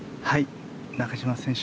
中島選手